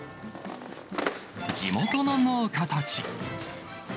地元の農家たち。